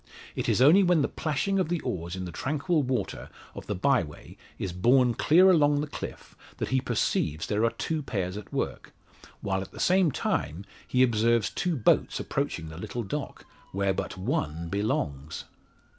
It is only when the plashing of the oars in the tranquil water of the bye way is borne clear along the cliff, that he perceives there are two pairs at work, while at the same time he observes two boats approaching the little dock, where but one belongs!